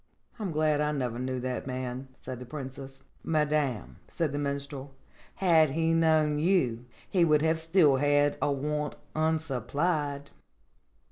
"I'm glad I never knew that man," said the Princess. "Madame," said the Minstrel, "had he known you he would have still had a want unsupplied."